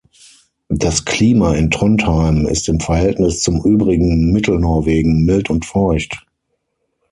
Das Klima in Trondheim ist im Verhältnis zum übrigen Mittelnorwegen mild und feucht.